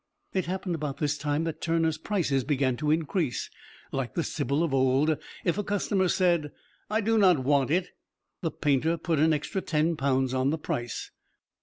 It happened about this time that Turner's prices began to increase. Like the sibyl of old, if a customer said, "I do not want it," the painter put an extra ten pounds on the price.